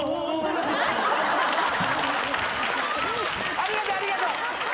ありがとうありがとう。